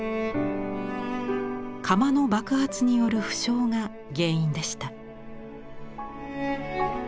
窯の爆発による負傷が原因でした。